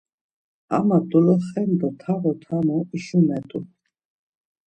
Ama doloxendo tamo tamo işumelt̆u.